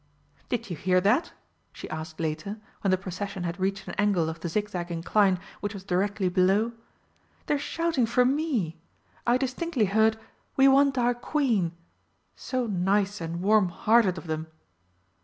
Did you hear that?" she asked later, when the procession had reached an angle of the zigzag incline which was directly below. "They're shouting for Me! I distinctly heard 'We want our Queen!' So nice and warm hearted of them!"